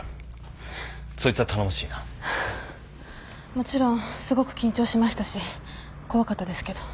もちろんすごく緊張しましたし怖かったですけど。